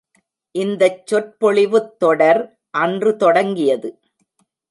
இந்தச் சொற்பொழிவுத் தொடர் அன்று தொடங்கியது.